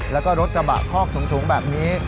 แล้วก็รถกระบะคอกสูงแบบนี้